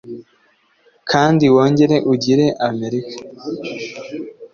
Kandi wongere ugire Amerika